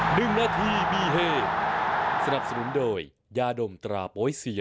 หนึ่งนาทีมีเฮสนับสนุนโดยยาดมตราโป๊ยเซีย